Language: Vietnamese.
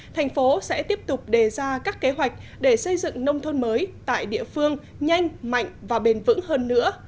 thành phố sẽ tiếp tục đề ra các kế hoạch để xây dựng nông thôn mới tại địa phương nhanh mạnh và bền vững hơn nữa